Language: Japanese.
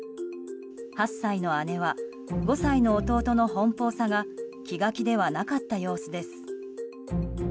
８歳の姉は５歳の弟の奔放さが気が気ではなかった様子です。